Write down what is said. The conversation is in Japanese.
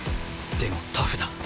でもタフだ。